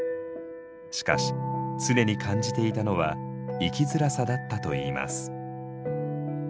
しかし常に感じていたのは生きづらさだったといいます。